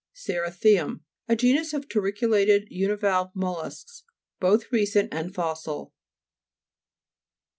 CERI'THIUM A genus of turriculated univalve mollusks, both recent and fossil (p.